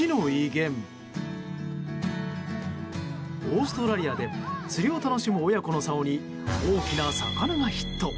オーストラリアで釣りを楽しむ親子の竿に大きな魚がヒット。